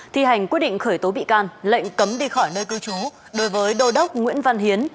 thi hành quyết định khởi tố bị can lệnh cấm đi khỏi nơi cư trú đối với đô đốc nguyễn văn hiến